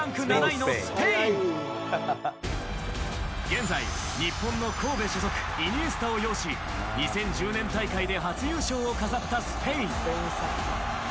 現在、日本の神戸所属イニエスタを擁し２０１０年大会で初優勝を飾ったスペイン。